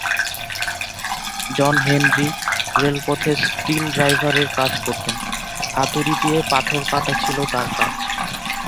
জন Henry রেলপথে steel ড্রাইভারের কাজ করতেন, হাতুড়ি দিয়ে পাথর কাটা ছিলো তার কাজ।